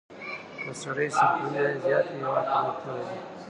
که سړي سر کلنی عاید زیات وي هېواد پرمختللی دی.